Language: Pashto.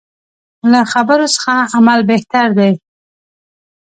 له خبرو څه عمل بهتر دی.